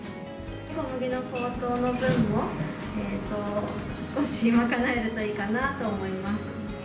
小麦の高騰の分も少し賄えると、いいかなと思います。